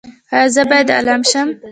ایا زه باید عالم شم؟